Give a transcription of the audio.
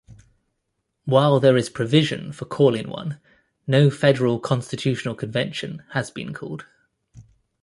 While there is provision for calling one, no federal constitutional convention has been called.